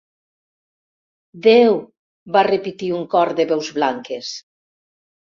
Déu —va repetir un cor de veus blanques.